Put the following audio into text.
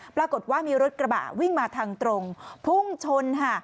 ปรากฏว่ามีรถกระบะวิ่งมาทางตรงพุ่งชนค่ะ